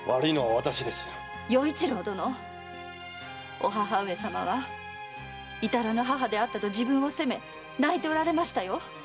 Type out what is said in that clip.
与一郎殿！お母上様は至らぬ母であったと自分を責め泣いておられましたよ！